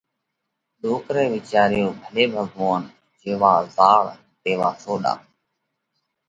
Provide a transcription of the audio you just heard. ڏوڪرئہ وِيچاريو: ڀلي ڀڳوونَ، جيوا زهاڙ، تيوا سوڏا۔